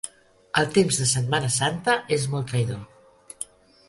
El temps de Setmana Santa és molt traïdor.